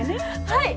はい！